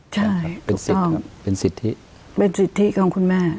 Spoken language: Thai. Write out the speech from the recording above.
ใช่เป็นเป็นสิทธิเป็นสิทธิของคุณแม่